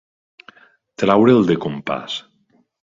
Treure'l de compàs.